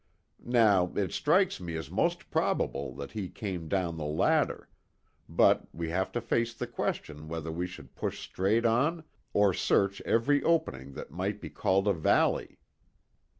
Now, it strikes me as most probable that he came down the latter; but we have to face the question whether we should push straight on, or search every opening that might be called a valley?"